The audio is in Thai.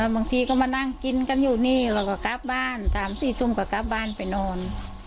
บางทีเค้ามานั่งกินกันอยู่นี่กับกราฟบ้าน๓๔ทุ่มกับกราฟบ้านไปนอน